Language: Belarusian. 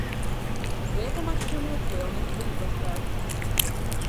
Гэта магчыма ў пэўных выпадках!